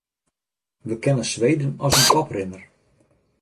We kenne Sweden as in koprinner.